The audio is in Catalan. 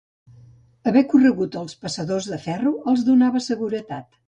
Haver corregut els passadors de ferro els donava seguretat.